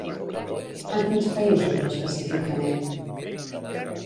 En quins països, específicament?